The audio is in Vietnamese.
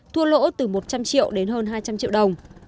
thua lỗ từ một trăm linh triệu đến hơn hai trăm linh triệu đồng